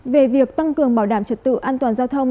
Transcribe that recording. về việc tăng cường bảo đảm trật tự an toàn giao thông